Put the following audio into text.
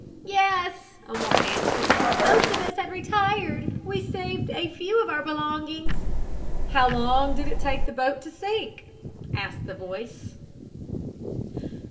"Yes," a woman answered. "Most of us had retired. We saved a few of our belongings." "How long did it take the boat to sink?" asked the voice.